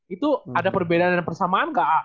itu ada perbedaan dan persamaan nggak